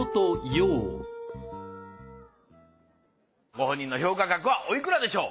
ご本人の評価額はおいくらでしょう？